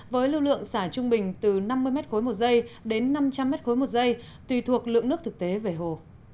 với lưu lượng xả trung bình từ năm mươi m ba một giây đến năm trăm linh m ba một giây tùy thuộc lượng nước thực tế về hồ